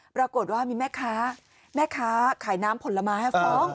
ปรากฏว่ามีแม่ค้าแม่ค้าขายน้ำผลไม้ฟ้อง